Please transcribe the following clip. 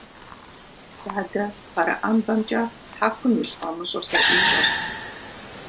Дадэ пэрыӏэмбэкӏэ хьэкум илъ фӏамыщӏыр зэӏищӏэрт.